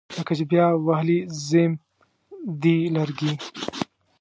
لکه چې بیا وهلي زیم دي لرګي